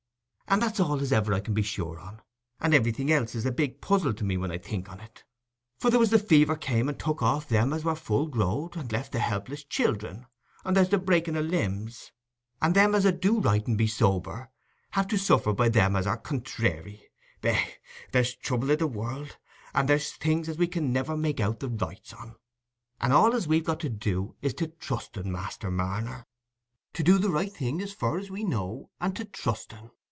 And that's all as ever I can be sure on, and everything else is a big puzzle to me when I think on it. For there was the fever come and took off them as were full growed, and left the helpless children; and there's the breaking o' limbs; and them as 'ud do right and be sober have to suffer by them as are contrairy—eh, there's trouble i' this world, and there's things as we can niver make out the rights on. And all as we've got to do is to trusten, Master Marner—to do the right thing as fur as we know, and to trusten.